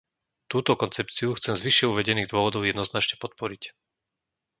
Túto koncepciu chcem z vyššie uvedených dôvodov jednoznačne podporiť.